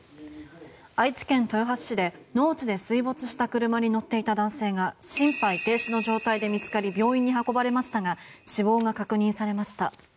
愛知県豊橋市で農地で水没した車に乗っていた男性が心肺停止の状態で見つかり病院に運ばれましたが死亡が確認されました。